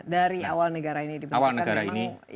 dari awal negara ini dibentukkan